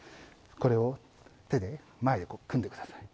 これを手で、前で組んでください。